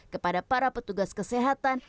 kepada para petugas kesehatan